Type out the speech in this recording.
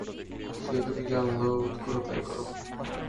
সে তুমি যা ভালো বোধ কর তাই করো।